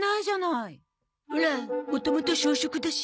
オラもともと小食だし。